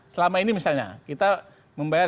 selama ini misalnya kita membayar